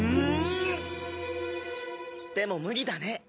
でも無理だね。